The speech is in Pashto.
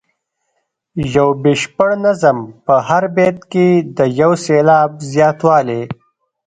د یو بشپړ نظم په هر بیت کې د یو سېلاب زیاتوالی.